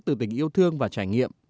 từ tình yêu thương và trải nghiệm